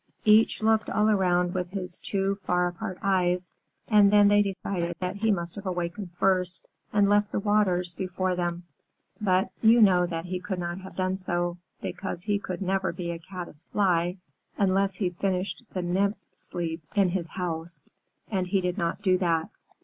Each looked all around with his two far apart eyes, and then they decided that he must have awakened first and left the water before them. But you know that he could not have done so, because he could never be a Caddis Fly unless he finished the Nymph sleep in his house, and he did not do that.